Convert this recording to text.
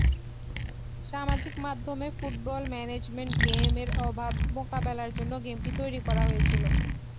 সামাজিক মাধ্যমে football management গেমের অভাব মোকাবেলার জন্য গেমটি তৈরি করা হয়েছিল।